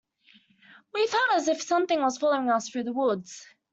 We felt that something was following us through the woods.